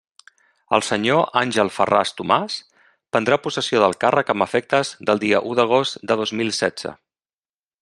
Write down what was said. El senyor Àngel Ferràs Tomàs prendrà possessió del càrrec amb efectes del dia u d'agost de dos mil setze.